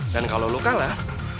dan kalau lo kalah